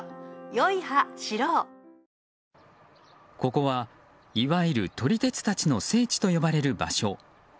ここは、いわゆる撮り鉄たちの聖地といわれる場所。